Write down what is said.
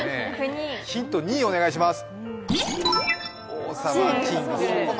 ヒント２、お願いします。